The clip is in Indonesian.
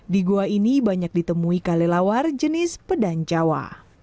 di gua ini banyak ditemui kalelawar jenis pedang jawa